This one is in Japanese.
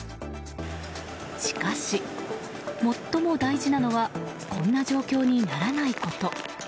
しかし、最も大事なのはこんな状況にならないこと。